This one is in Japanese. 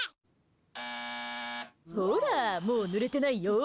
ほら、もうぬれてないよ。